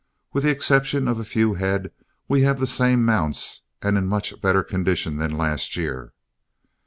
With the exception of a few head, we have the same mounts and in much better condition than last year.